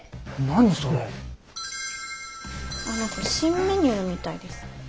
何か新メニューみたいです。